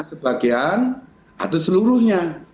sebagian atau seluruhnya